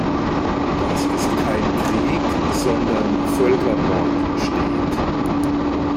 Das ist kein Krieg sondern Völkermord“ steht.